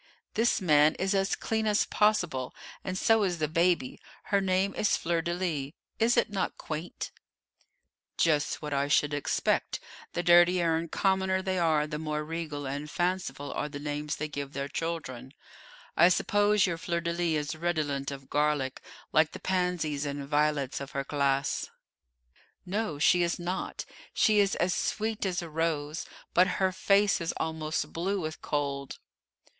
"This man is as clean as possible, and so is the baby. Her name is Fleur de lis; is it not quaint?" "Just what I should expect; the dirtier and commoner they are, the more regal and fanciful are the names they give their children. I suppose your Fleur de lis is redolent of garlic, like the Pansies and Violets of her class." "No, she is not. She is as sweet as a rose; but her face is almost blue with cold."